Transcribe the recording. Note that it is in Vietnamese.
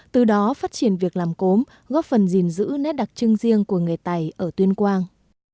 từ đó phát triển việc làm cốm góp phần gìn giữ nét đặc trưng riêng của người tày ở tuyên quang